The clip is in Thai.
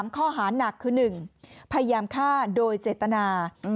ข้อหานักคือ๑พยายามฆ่าโดยเจตนา